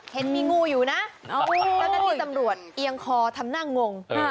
เห็นมีงูอยู่นะเจ้าหน้าที่ตำรวจเอียงคอทำหน้างง